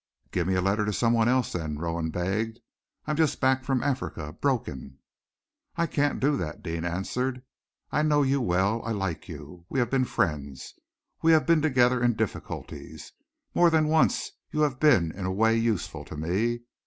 "Give me a letter to someone else, then," Rowan begged. "I'm just back from Africa, broken." "I can't do that," Deane answered. "I know you well. I like you. We have been friends. We have been together in difficulties. More than once you have been in a way useful to me.